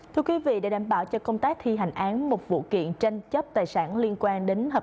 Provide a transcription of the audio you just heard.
thưa quý vị để đảm bảo cho công tác thi hành án một vụ kiện tranh chấp tài sản liên quan đến hợp